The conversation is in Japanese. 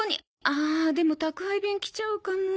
あでも宅配便来ちゃうかも。